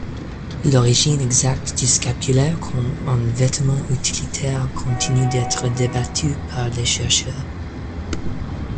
L'origine exacte du scapulaire comme un vêtement utilitaire continue d'être débattue par les chercheurs.